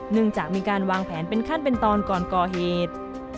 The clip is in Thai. เนื่องจากมีการวางแผนเป็นขั้นเป็นตอนก่อนก่อเหตุ